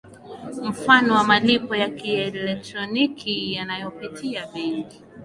mfano wa malipo ya kielektroniki yanayopitia benki